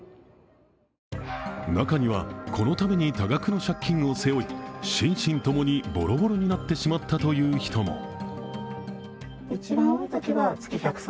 中には、このために多額の借金を背負い心身ともにぼろぼろになってしまったという人も。